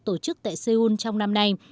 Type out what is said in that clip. tổ chức tại seoul trong năm nay